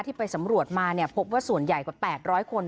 ไปสำรวจมาพบว่าส่วนใหญ่กว่า๘๐๐คน